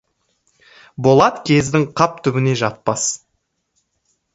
Болат кездік қап түбінде жатпас.